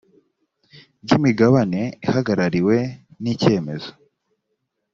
ry imigabane ihagarariwe n icyemezo